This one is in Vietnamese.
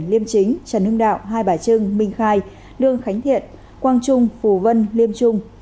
liêm chính trần hưng đạo hai bà trưng minh khai lương khánh thiện quang trung phù vân liêm trung